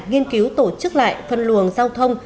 nghiên cứu tổ chức lại phân luồng giao thông